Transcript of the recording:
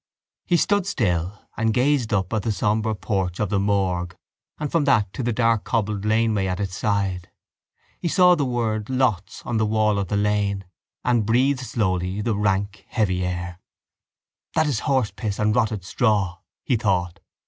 He stood still and gazed up at the sombre porch of the morgue and from that to the dark cobbled laneway at its side. He saw the word Lotts on the wall of the lane and breathed slowly the rank heavy air. That is horse piss and rotted straw, he thought.